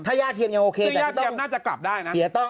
ถ้ายากเทียมยังโอเคแต่ต้องอ๋อเหรอสิ่งที่ยากเทียมน่าจะกลับได้นะ